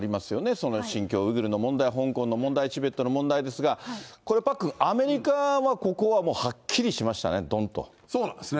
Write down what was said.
その新疆ウイグルの問題、香港の問題、チベットの問題ですが、これパックン、アメリカはここはもうはっそうなんですね。